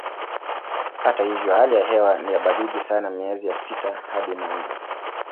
Hata hivyo hali ya hewa ni ya baridi sana miezi ya sita hadi nane.